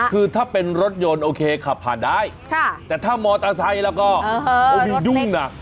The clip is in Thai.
คือถ้าเป็นรถยนต์โอเคขับผ่านได้แต่ถ้ามอเตอร์ไซค์แล้วก็โอ้มีดุ้งนะ